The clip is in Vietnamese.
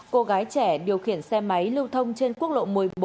cô gái trẻ điều khiển xe máy lưu thông trên quốc lộ một mươi bốn